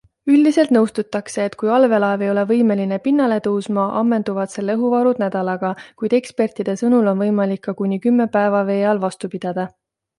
Üldiselt nõustutakse, et kui allveelaev ei ole võimeline pinnale tõusma, ammenduvad selle õhuvarud nädalaga, kuid ekspertide sõnul on võimalik ka kuni kümme päeva vee all vastu pidada.